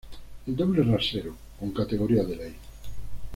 El doble rasero, con categoría de ley.